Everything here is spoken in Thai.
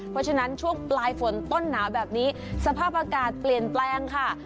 เพราะฉะนั้นช่วงปลายฝนต้นหนาวแบบนี้สภาพอากาศเปลี่ยนแปลงค่ะ